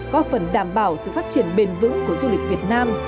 có phần đảm bảo sự phát triển bền vững của du lịch việt nam